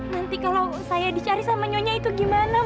nanti kalau saya dicari sama nyonya itu gimana